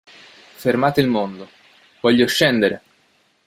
Fermate il mondo... voglio scendere!